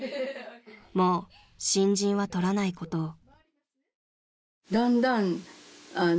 ［もう新人はとらないことを］